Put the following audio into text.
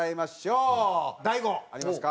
大悟ありますか？